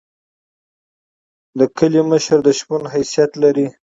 د کلی مشر د شپون حیثیت لري.